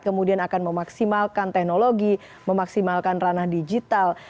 kemudian akan memaksimalkan teknologi memaksimalkan ranah digital